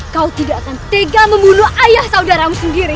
kau tidak akan tega membunuh ayah saudaramu sendiri